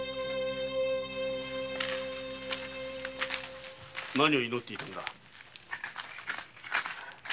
何を祈っていたんだ？